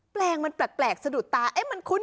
แปลงมันแปลกสะดุดตามันคุ้น